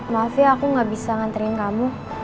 maaf ya aku gak bisa nganterin kamu